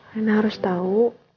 rina harus tahu